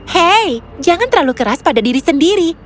hei jangan terlalu keras pada diri sendiri